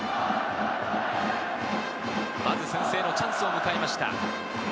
まず先制のチャンスを迎えました。